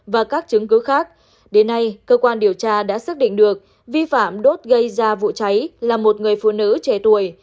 và các chứng cứ khác đến nay cơ quan điều tra đã xác định được vi phạm đốt gây ra vụ cháy là một người phụ nữ trẻ tuổi